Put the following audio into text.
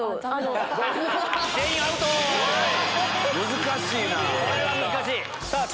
難しいなぁ。